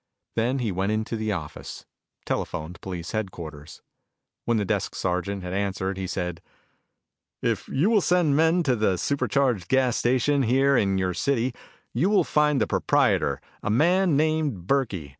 Then he went into the office, telephoned police headquarters. When the desk sergeant had answered, he said: "If you will send men to the Super Charged Gas station here in your city, you will find the proprietor, a man named Burkey.